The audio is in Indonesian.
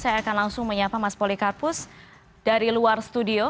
saya akan langsung menyapa mas polikarpus dari luar studio